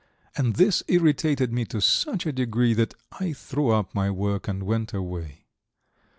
And this irritated me to such a degree that I threw up my work and went away.